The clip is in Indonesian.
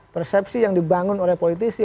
persepsi yang dibangun oleh politisi